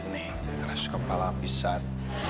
neng rasika kepala abisan